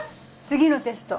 次のテスト。